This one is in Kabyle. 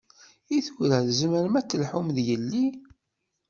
I tura tzemrem ad d-telhum d yelli?